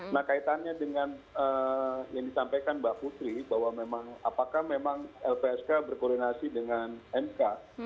nah kaitannya dengan yang disampaikan mbak putri bahwa memang apakah memang lpsk berkoordinasi dengan mk